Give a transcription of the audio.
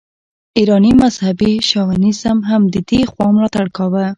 ایراني مذهبي شاونیزم هم د دې خوا ملاتړ کاوه.